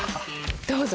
どうぞ。